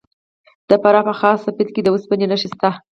د فراه په خاک سفید کې د وسپنې نښې شته.